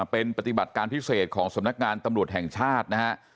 เป็นปฏิบัติการพิเศษของสำนักงานตำรวจแห่งชาตินะฮะ